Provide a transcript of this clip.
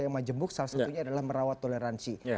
yang majemuk salah satunya adalah merawat toleransi